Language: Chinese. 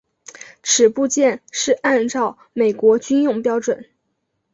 此部件是按照美国军用标准。